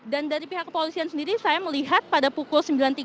dan dari pihak kepolisian sendiri saya melihat pada pukul sembilan tiga puluh